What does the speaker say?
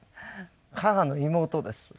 母の妹です。